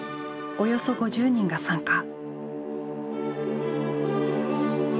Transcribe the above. およそ５０人が参加。